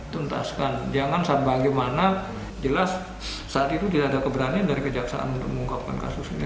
tuntaskan jangan sampai bagaimana jelas saat itu tidak ada keberanian dari kejaksaan untuk mengungkapkan kasus ini